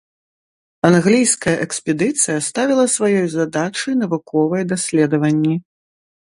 Англійская экспедыцыя ставіла сваёй задачай навуковыя даследаванні.